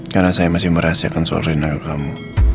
karena saya masih merahasiakan soal rena ke kamu